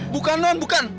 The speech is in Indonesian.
bukan non bukan